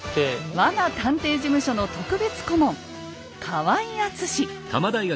我が探偵事務所の特別顧問河合敦。